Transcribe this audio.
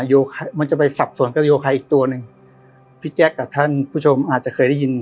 มันจะไปสับสนกับโยใครอีกตัวหนึ่งพี่แจ๊คกับท่านผู้ชมอาจจะเคยได้ยิน